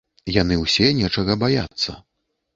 Яны ўсе нечага баяцца.